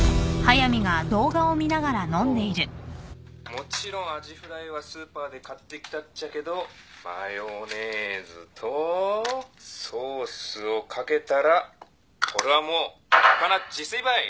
もちろんあじフライはスーパーで買ってきたっちゃけどマヨネーズとソースを掛けたらこれはもう立派な自炊ばい。